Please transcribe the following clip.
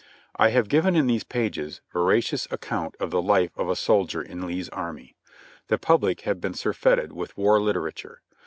I have given in these pages veracious account of the life of a sol dier in Lee's army. The public have been surfeited with war literature.